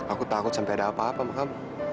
aku takut sampai ada apa apa sama kamu